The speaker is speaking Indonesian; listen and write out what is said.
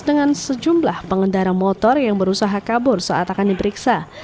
dengan sejumlah pengendara motor yang berusaha kabur saat akan diperiksa